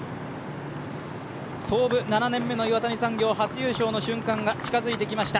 創部７年目の岩谷産業、初優勝の瞬間が近づいてきました。